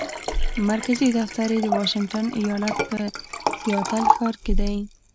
مرکزي دفتر یې د واشنګټن ایالت په سیاتل ښار کې دی.